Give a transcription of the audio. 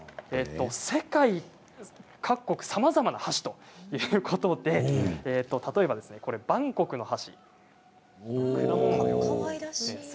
世界各国さまざまな箸ということで例えば、バンコクの箸。